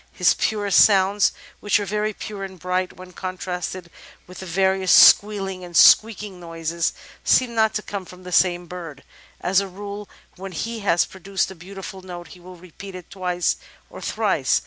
His purest sounds, which are very pure and bright, when contrasted with various squealing and squeaking noises, seem not to come from the same bird. .•• As a rule, when he has pro duced a beautiful note he will repeat it twice or thrice."